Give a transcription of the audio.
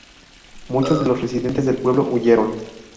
Muchos de los residentes del pueblo huyeron.